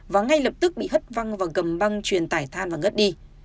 và ngay lập tức bị hất văng vào gầm băng truyền tải than và ngất đi